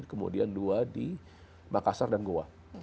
kemudian dua di makassar dan goa